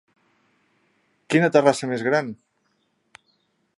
Quina terrassa més gran!